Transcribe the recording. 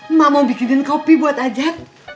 emak mau bikinin kopi buat ajak